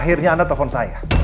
akhirnya anda telpon saya